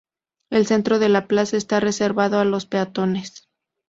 El centro de la plaza está reservado a los peatones.